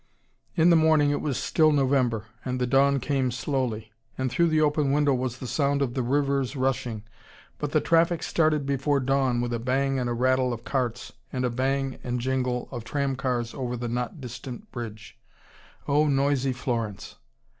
In the morning it was still November, and the dawn came slowly. And through the open window was the sound of the river's rushing. But the traffic started before dawn, with a bang and a rattle of carts, and a bang and jingle of tram cars over the not distant bridge. Oh, noisy Florence!